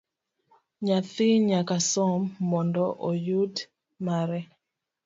Nyathi nyaka som mondo oyud mare